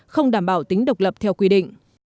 không đảm bảo tính độc lập theo quy định